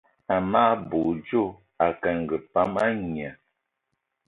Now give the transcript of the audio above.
Amage bè odjo akengì pam a ngné.